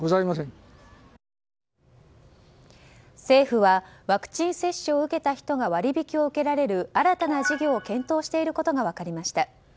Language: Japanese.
政府はワクチン接種を受けた人が割引を受けられる新たな事業を検討していることが分かりました。